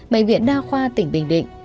bệnh viện đa khoa tỉnh bình định